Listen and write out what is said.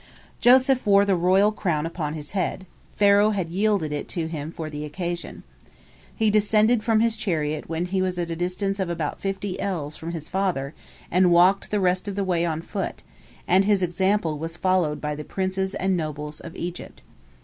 Joseph wore the royal crown upon his head, Pharaoh had yielded it to him for the occasion. He descended from his chariot when he was at a distance of about fifty ells from his father, and walked the rest of the way on foot, and his example was followed by the princes and nobles of Egypt.